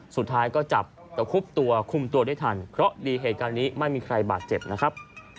สุดท้ายก็จับแต่คุบตัวคุมตัวได้ทันเพราะดีเหตุการณ์นี้ไม่มีใครบาดเจ็บนะครับ